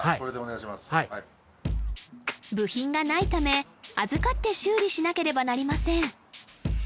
はい部品がないため預かって修理しなければなりません